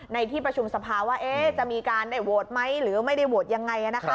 ในที่ประชุมสภาว่าจะมีการได้โหวตไหมหรือไม่ได้โหวตยังไง